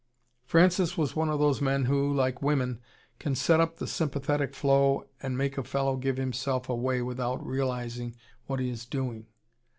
Francis was one of those men who, like women, can set up the sympathetic flow and make a fellow give himself away without realising what he is doing.